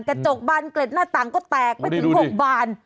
กระจกบานเกล็ดหน้าต่างก็แตกไปถึง๖บาน